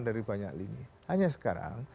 dari banyak lini hanya sekarang